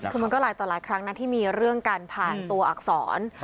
คือมันก็หลายต่อหลายครั้งนะที่มีเรื่องการผ่านตัวอักษร